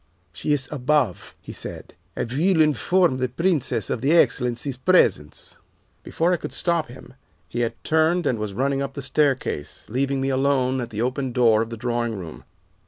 'She is above,' he said; 'I will inform the Princess of the Excellency's presence.' "Before I could stop him he had turned and was running up the staircase, leaving me alone at the open door of the drawing room.